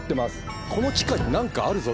この地下に何かあるぞ。